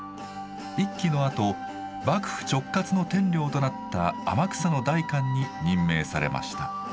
一揆のあと幕府直轄の天領となった天草の代官に任命されました。